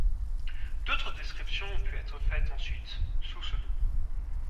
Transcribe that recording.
D'autres descriptions ont pu être faites ensuite, sous ce nom.